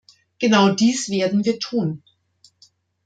Genau dies werden wir tun.